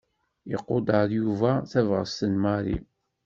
Iqudeṛ Yuba tabɣest n Mary.